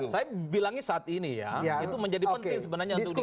saya bilangnya saat ini ya itu menjadi penting sebenarnya untuk itu